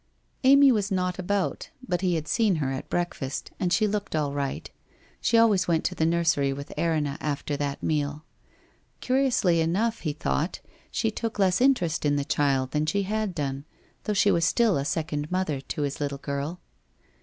Amy was not about, but he had seen her at breakfast, and she looked all right. She always went to the nursery with Erinna after that meal. Curiously enough, he thought, she took less interest in the child than she had done, though she was still a second mother to his little girl.